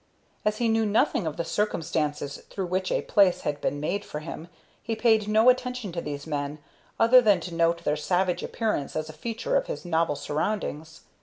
As he knew nothing of the circumstances through which a place had been made for him, he paid no attention to these men, other than to note their savage appearance as a feature of his novel surroundings.